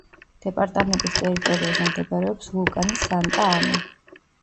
დეპარტამენტის ტერიტორიაზე მდებარეობს ვულკანი სანტა-ანა.